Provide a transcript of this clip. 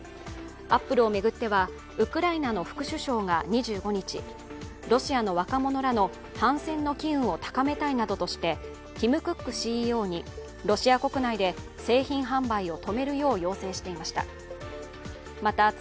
アップルを巡ってはウクライナの副首相が２５日、ロシアの若者らの反戦の機運を高めたいなどとしてティム・クックＣＥＯにロシア国内で製品販売を止めるよう要請していました。